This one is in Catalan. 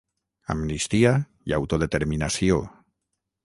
Amnistia i autodeterminació